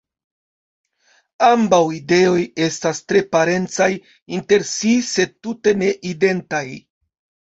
Ambaŭ ideoj estas tre parencaj inter si sed tute ne identaj.